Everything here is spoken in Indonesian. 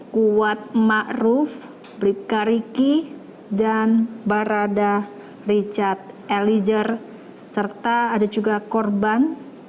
kuat ma'ruf brikariki dan barada richard eliger serta ada juga korban